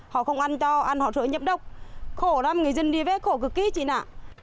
họ không ăn cho ăn họ sửa nhiễm độc khổ lắm người dân đi vết khổ cực kỳ chị nạ